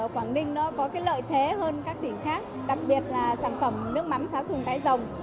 quảng ninh có lợi thế hơn các tỉnh khác đặc biệt là sản phẩm nước mắm xá sùng cái rồng